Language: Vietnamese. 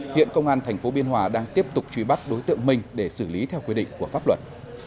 hiện công an tp biên hòa đang tiếp tục truy bắt đối tượng minh để xử lý theo quy định của pháp luật